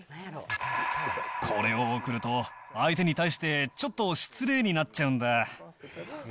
これを贈ると、相手に対してちょっと失礼になっちゃうんだ。